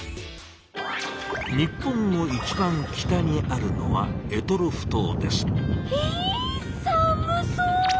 日本のいちばん北にあるのはひ寒そう。